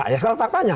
ya sekarang faktanya